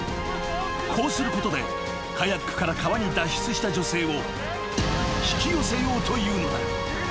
［こうすることでカヤックから川に脱出した女性を引き寄せようというのだ］